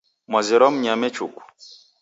Mwazerwa mnyame chuku.